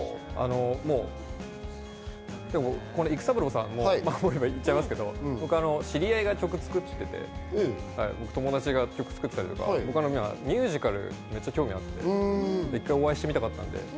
育三郎さんも言っちゃいますけど、僕、知り合いが曲を作っていて、友達が曲を作ってたりとか、ミュージカルに興味があってお会いしてみたかったんで。